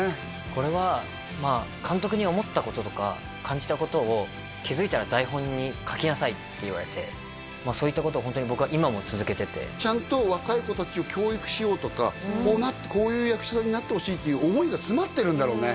これはまあ監督に思ったこととか感じたことを気づいたら台本に書きなさいって言われてまあそういったことをホントに僕は今も続けててちゃんと若い子達を教育しようとかこうなってこういう役者さんになってほしいっていう思いが詰まってるんだろうね